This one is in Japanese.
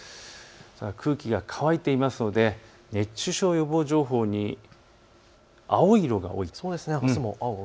空気が乾いていますので熱中症予防情報に青い色が多いです。